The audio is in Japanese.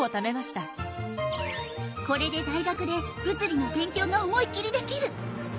これで大学で物理の勉強が思い切りできる！